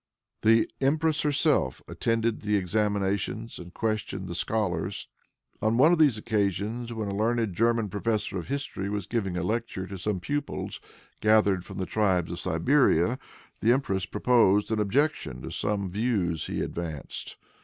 The empress herself attended the examinations and questioned the scholars. On one of these occasions, when a learned German professor of history was giving a lecture to some pupils, gathered from the tribes of Siberia, the empress proposed an objection to some views he advanced.